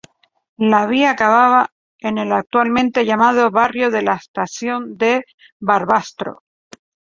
La vía acababa en el actualmente llamado barrio de la estación de Barbastro.